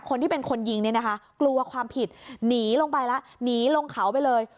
คนที่เป็นคนยิงเนี่ยนะคะกลัวความผิดหนีลงไปแล้วหนีลงเขาไปเลย